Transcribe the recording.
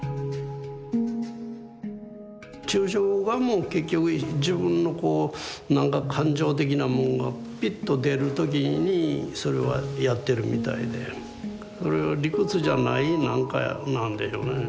抽象画も結局自分のこうなんか感情的なもんがピッと出る時にそれはやってるみたいでそれは理屈じゃないなんかなんでしょうね。